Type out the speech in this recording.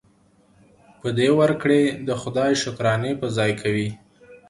په دې ورکړې د خدای شکرانې په ځای کوي.